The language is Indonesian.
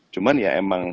cuman ya emang